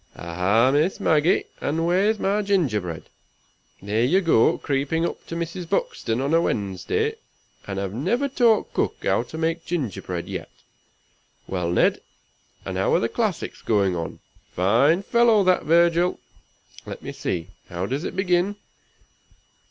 Aha, Miss Maggie! and where's my gingerbread? There you go, creeping up to Mrs. Buxton on a Wednesday, and have never taught Cook how to make gingerbread yet. Well, Ned! and how are the classics going on? Fine fellow, that Virgil! Let me see, how does it begin?